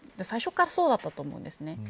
最初からそうだったと思うんです。